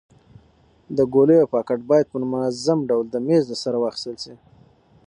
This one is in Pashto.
د ګولیو پاکټ باید په منظم ډول د میز له سره واخیستل شي.